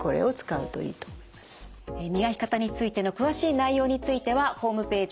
磨き方についての詳しい内容についてはホームページ